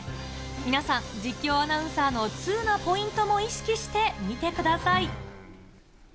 皆さん、実況アナウンサーの通なポイントも意識して、見てください。